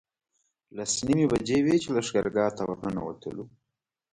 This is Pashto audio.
لس نیمې بجې وې چې لښکرګاه ته ورنوتلو.